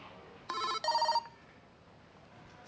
berhasil juga jebakan gue